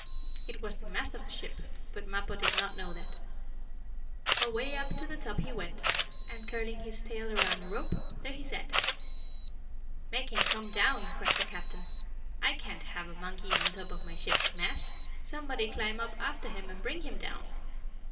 It was the mast of the ship, but Mappo did not know that. Away up to the top he went, and, curling his tail around a rope, there he sat. "Make him come down!" cried the captain. "I can't have a monkey on top of my ship's mast! Somebody climb up after him and bring him down."